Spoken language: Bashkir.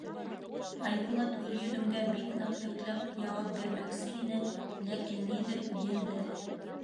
Айбулат Гөлйөҙөмгә бик ныҡ текләп яуап бирмәксе ине, ләкин ниҙер енде.